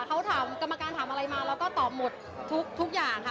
ก็เต็มที่ค่ะเขากรรมการถามอะไรมาเราก็ตอบหมดทุกอย่างค่ะ